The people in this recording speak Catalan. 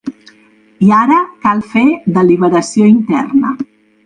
I ara cal fer deliberació interna.